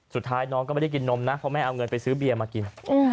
สุดท้ายน้องก็ไม่ได้กินนมนะเพราะแม่เอาเงินไปซื้อเบียร์มากิน